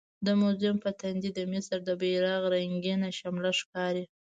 د موزیم په تندي د مصر د بیرغ رنګینه شمله ښکاري.